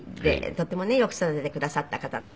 とってもねよく育ててくださった方で。